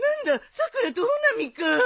さくらと穂波か。